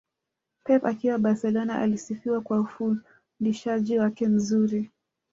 Pep akiwa Barcelona alisifika kwa ufundishaji wake mzuri